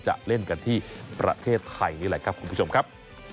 จะเล่นกันที่ประเทศไทยนี่แหละครับคุณผู้ชมครับ